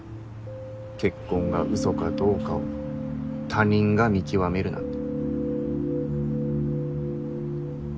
結婚がうそかどうかを他人が見極めるなんて。